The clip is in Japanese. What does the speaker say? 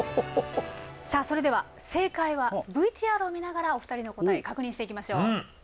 さあそれでは正解はＶＴＲを見ながらお二人の答え確認していきましょう。